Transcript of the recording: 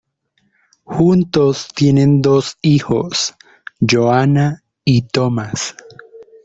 Juntos tienen dos hijos, Joanna y Thomas.